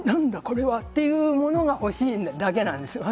これは」っていうものが欲しいだけなんですよ